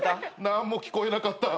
何も聞こえなかった。